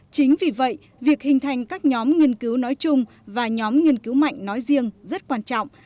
chính vì vậy việc hình thành các nhóm nghiên cứu nói chung và nhóm nghiên cứu mạnh nói riêng rất quan trọng